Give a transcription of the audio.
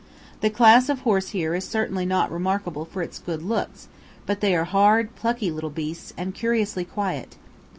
The class of horse here is certainly not remarkable for its good looks; but they are hard, plucky little beasts, and curiously quiet.